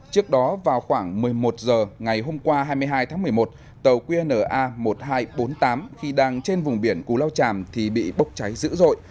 trước đó vào khoảng một mươi một h ngày hôm qua hai mươi hai tháng một mươi một tàu qna một nghìn hai trăm bốn mươi tám khi đang trên vùng biển cù lao tràm thì bị bốc cháy dữ dội